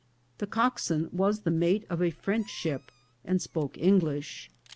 The cock swain was the mate of a French ship, and spoke Eng lish.